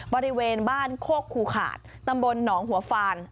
บริเวณบ้านโคกคูขาดตำบลหนองหัวฟาน